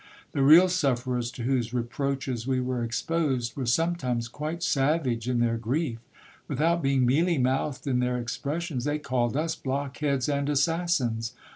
The real sufferers to whose reproaches we were exposed, were sometimes quite savage in their grief; without being mealy mouthed in their expressions, they called us blockheads and assassins.